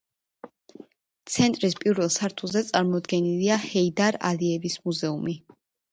ცენტრის პირველ სართულზე წარმოდგენილია „ჰეიდარ ალიევის მუზეუმი“.